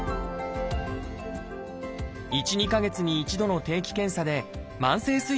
１２か月に一度の定期検査で慢性すい